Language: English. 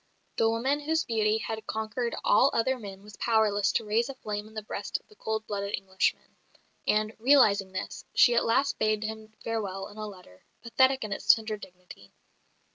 The woman whose beauty had conquered all other men was powerless to raise a flame in the breast of the cold blooded Englishman; and, realising this, she at last bade him farewell in a letter, pathetic in its tender dignity.